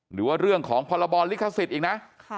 หรือว่าเรื่องของพรบลิขสิทธิ์อีกนะ